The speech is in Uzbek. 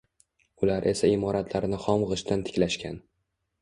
Ular esa imoratlarini xom g`ishtdan tiklashgan